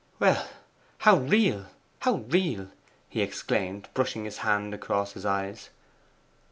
'Well, how real, how real!' he exclaimed, brushing his hand across his eyes.